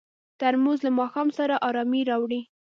ترموز له ماښام سره ارامي راوړي.